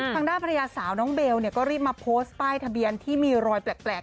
ทางด้านภรรยาสาวน้องเบลก็รีบมาโพสต์ป้ายทะเบียนที่มีรอยแปลก